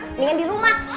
mendingan di rumah